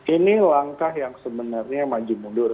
ini langkah yang sebenarnya maju mundur